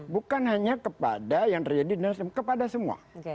bukan hanya kepada yang terjadi di nasdem kepada semua